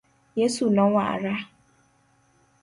Yesu nowara .